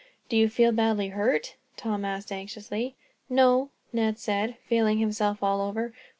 "Do you feel badly hurt?" Tom asked, anxiously. "No," Ned said, feeling himself all over.